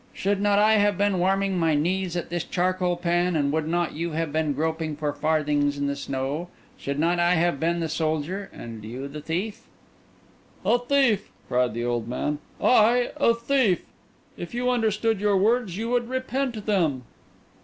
Should not I have been warming my knees at this charcoal pan, and would not you have been groping for farthings in the snow? Should not I have been the soldier, and you the thief?" "A thief!" cried the old man. "I a thief! If you understood your words, you would repent them."